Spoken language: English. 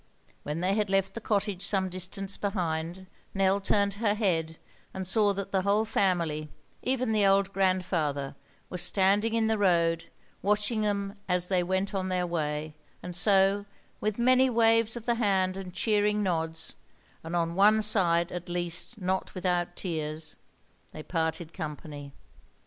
When they had left the cottage some distance behind Nell turned her head and saw that the whole family, even the old grandfather, were standing in the road, watching them as they went on their way; and so, with many waves of the hand and cheering nods, and on one side at least not without tears, they parted company.